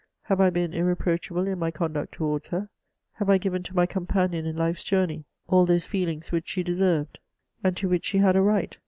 Have I been, irreproachable in my conduct towards her ? Haye I given to my companion in life s journey all those feelings which she deserved, and to which she had a right